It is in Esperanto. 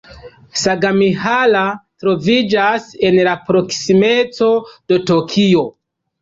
Sagamihara troviĝas en la proksimeco de Tokio.